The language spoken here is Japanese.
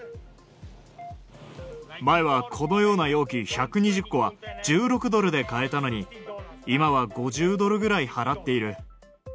前はこのような容器１２０個は１６ドルで買えたのに、今は５０ドルぐらい払っている。